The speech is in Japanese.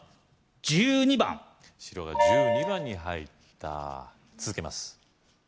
１２番白が１２番に入った続けます